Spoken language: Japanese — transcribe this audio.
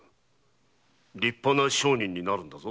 立派な商人になるんだぞ。